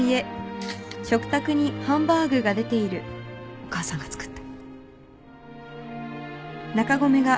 お母さんが作った。